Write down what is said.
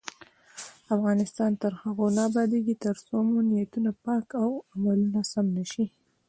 افغانستان تر هغو نه ابادیږي، ترڅو مو نیتونه پاک او عملونه سم نشي.